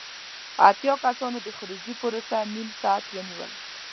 اتیا کسانو د خروجی پروسه نیم ساعت ونیوله.